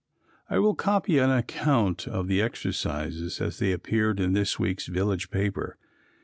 I will copy an account of the exercises as they appeared in this week's village paper.